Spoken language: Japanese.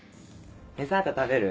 デザート食べる？